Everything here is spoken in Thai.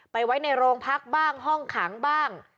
ไว้ในโรงพักบ้างห้องขังบ้าง